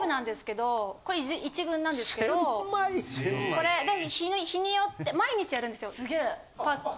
これ日によって毎日やるんですよパック。